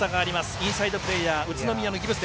インサイドプレーヤー宇都宮のギブス。